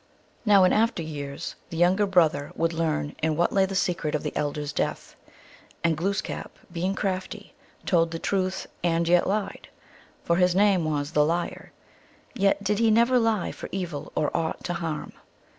Now, in after years, the younger brother would learn in what lay the secret of the elder s death. And Glooskap, being crafty, told the truth and yet lied; for his name was the Liar, yet did he never lie for evil or aught to harm.